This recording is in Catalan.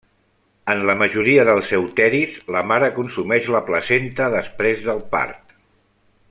En la majoria dels euteris, la mare consumeix la placenta després del part.